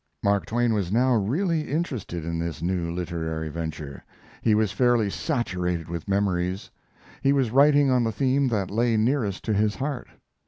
Mark Twain was now really interested in this new literary venture. He was fairly saturated with memories. He was writing on the theme that lay nearest to his heart.